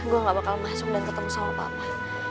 gue gak bakal masuk dan ketemu sama papa